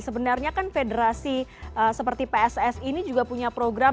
sebenarnya kan federasi seperti pssi ini juga punya program